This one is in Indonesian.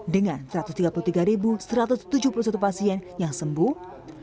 dengan satu ratus tiga puluh tiga satu ratus tujuh puluh satu pasien yang sembuh